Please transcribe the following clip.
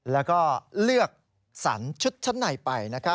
แล้วก็เลือกสรรชุดชั้นในไป